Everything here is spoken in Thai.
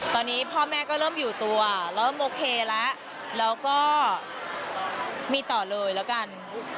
ตอนนี้พ่อแม่ก็เริ่มอยู่ตัวเริ่มโอเคแล้วแล้วก็มีต่อเลยแล้วกัน